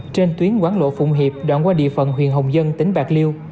trên tuyến quán lộ phụng hiệp đoạn qua địa phận huyện hồng dân tỉnh bạc liêu